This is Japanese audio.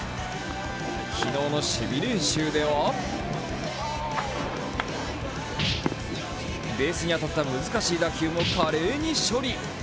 昨日の守備練習ではベースに当たった難しい打球も華麗に処理。